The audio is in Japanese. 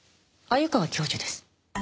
鮎川教授です。